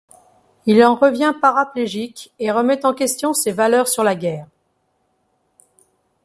Il en revient paraplégique et remet en question ses valeurs sur la guerre.